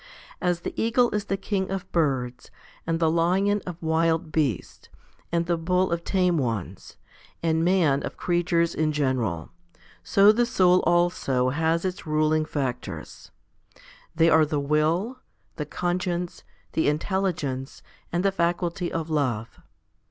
As the eagle is the king of birds, and the lion of wild beasts, and the bull of tame ones, and man of creatures in general, so the soul also has its ruling factors. They are the will, the conscience, the intelligence, and the faculty of love.